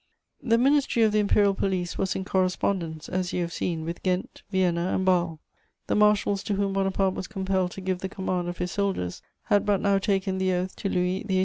The Ministry of the Imperial Police was in correspondence, as you have seen, with Ghent, Vienna and Bâle; the marshals to whom Bonaparte was compelled to give the command of his soldiers had but now taken the oath to Louis XVIII.